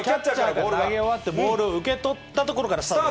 投げ終わってボールを受け取ったところからスタート。